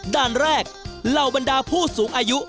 ด้านแรกเหล่าบรรดาผู้สูงอายุ